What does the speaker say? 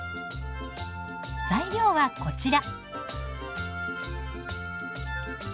材料はこちら。